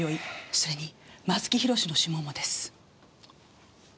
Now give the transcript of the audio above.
それに松木弘の指紋もです。